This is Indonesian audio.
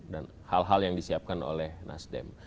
dan hal hal yang disiapkan oleh nasdem